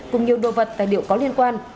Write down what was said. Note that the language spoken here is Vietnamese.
cùng nhiều đồ vật tài liệu có liên quan